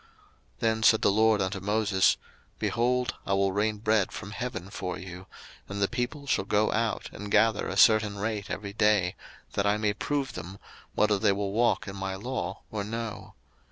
02:016:004 Then said the LORD unto Moses, Behold, I will rain bread from heaven for you; and the people shall go out and gather a certain rate every day, that I may prove them, whether they will walk in my law, or no.